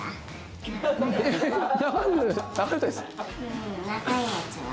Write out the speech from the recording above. うんながいやつは？